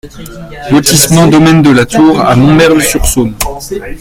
Lotissement Domaine de la Tour à Montmerle-sur-Saône